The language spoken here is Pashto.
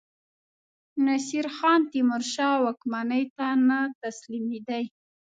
نصیرخان تیمورشاه واکمنۍ ته نه تسلیمېدی.